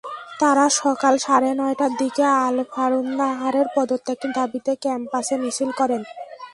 তাঁরা সকাল সাড়ে নয়টার দিকে আলফারুন্নাহারের পদত্যাগের দাবিতে ক্যাম্পাসে মিছিল করেন।